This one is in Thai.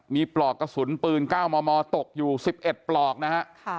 มีปลอกกระสุนปืน๙มมตกอยู่๑๑ปลอกนะฮะ